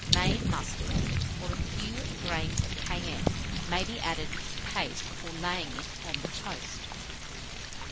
Made mustard, or a few grains of cayenne, may be added to the paste before laying it on the toast.